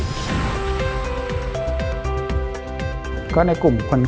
ความสำคัญของกลุ่มคนไข้มะเร็ง